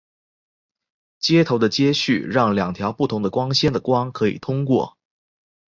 接头的接续让两条不同的光纤的光可以通过。